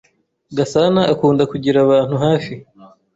Gasana akunda kugira abantu hafi.